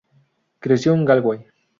Creció en Galway.